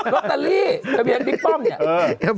รถตะลี่ถะเบียนบิ๊กป้อมเนี่ย